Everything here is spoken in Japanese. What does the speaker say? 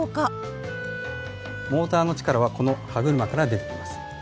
モーターの力はこの歯車から出てきます。